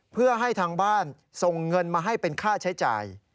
เพื่อให้ทางบ้านส่งเงินมาให้เป็นค่าใช้จ่าย